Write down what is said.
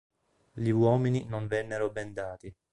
Gli uomini non vennero bendati.